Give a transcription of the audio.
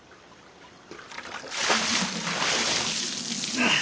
ああ！